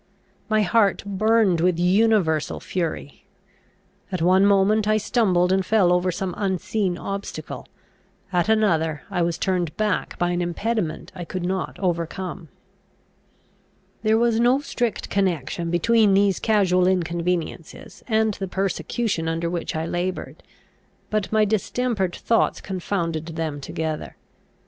My heart burned with universal fury. At one moment I stumbled and fell over some unseen obstacle; at another I was turned back by an impediment I could not overcome. There was no strict connection between these casual inconveniences and the persecution under which I laboured. But my distempered thoughts confounded them together.